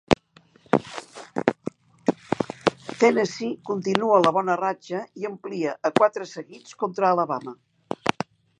Tennessee continua la bona ratxa i amplia a quatre seguits contra Alabama.